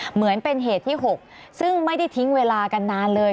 เหมือนเป็นเหตุที่๖ซึ่งไม่ได้ทิ้งเวลากันนานเลย